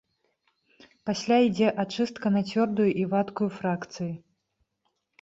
Пасля ідзе ачыстка на цвёрдую і вадкую фракцыі.